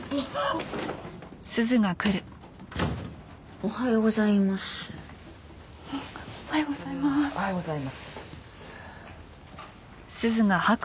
おはようございます。